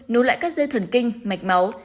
nối lại các dây thần kinh mạch máu